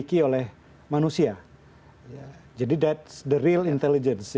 jadi itu adalah kecerdasan yang sebenarnya kita miliki dari kecerdasan itu sendiri yang secara alami itu dimiliki oleh manusia